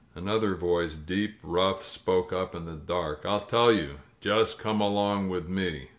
Another voice, deep, rough, spoke up in the dark. "I'll tell you. Just come along with me."